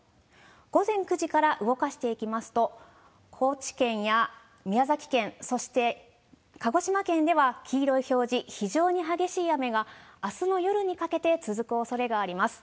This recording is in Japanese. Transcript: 午前９時から動かしていきますと、高知県や宮崎県、そして鹿児島県では黄色い表示、非常に激しい雨が、あすの夜にかけて続くおそれがあります。